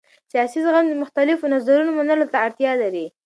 سیاسي زغم د مختلفو نظرونو منلو ته اړتیا لري